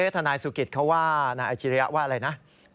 ทนายสุกิตเขาว่านายอาชิริยะว่าอะไรนะ